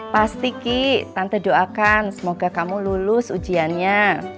pasti ki tante doakan semoga kamu lulus ujiannya